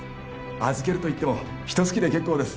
預けるといってもひと月で結構です